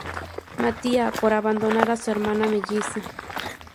Mattia por abandonar a su hermana melliza.